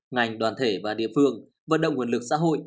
ngành đoàn thể và địa phương vận động nguồn lực xã hội